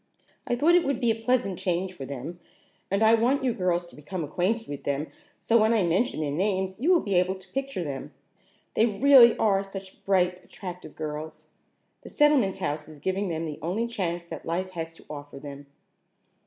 I thought it would be a pleasant change for them, and I want you girls to become acquainted with them so when I mention their names you will be able to picture them. They really are such bright, attractive girls! The Settlement House is giving them the only chance that life has to offer them."